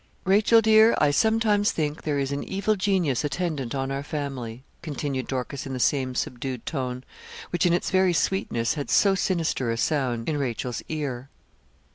'Rachel, dear, I sometimes think there is an evil genius attendant on our family,' continued Dorcas in the same subdued tone, which, in its very sweetness, had so sinister a sound in Rachel's ear.